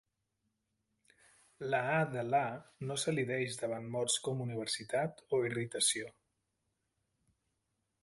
La "a" de "la" no s'elideix davant mots com "universitat" o "irritació".